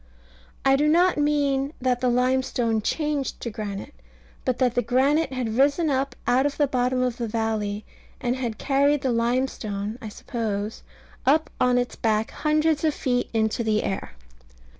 I do not mean that the limestone changed to granite, but that the granite had risen up out of the bottom of the valley, and had carried the limestone (I suppose) up on its back hundreds of feet into the air.